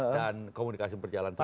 dan komunikasi berjalan terus